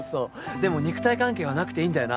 でも肉体関係はなくていいんだよな。